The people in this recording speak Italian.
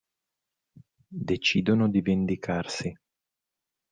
Decidono di vendicarsi.